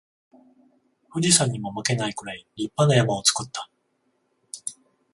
富士山にも負けないくらい立派な山を作った